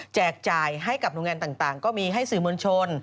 จ่ายให้กับหน่วยงานต่างก็มีให้สื่อมวลชน